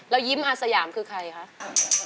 แล้วยิ้มอาสยามคือใครคะ